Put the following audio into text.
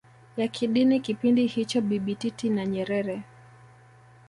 ya kidini kipindi hicho Bibi Titi na Nyerere